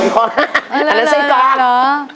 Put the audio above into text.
เออเป็นข้ออันนั้นเส้นกลาง